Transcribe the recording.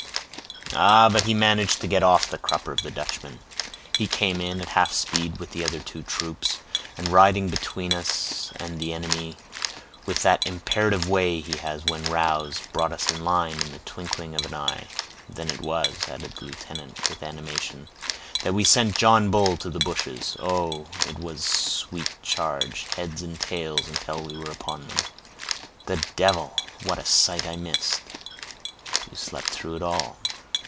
"Ah! but he managed to get off the crupper of the Dutchman. He came in, at half speed, with the other two troops, and riding between us and the enemy, with that imperative way he has when roused, brought us in line in the twinkling of an eye. Then it was," added the lieutenant, with animation, "that we sent John Bull to the bushes. Oh! it was a sweet charge—heads and tails, until we were upon them." "The devil! What a sight I missed!" "You slept through it all."